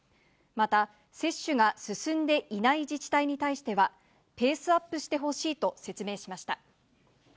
また、接種が進んでいない自治体に対しては、ペースアップしてほしいと説明しました。